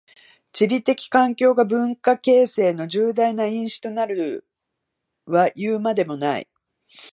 地理的環境が文化形成の重大な因子となるはいうまでもない。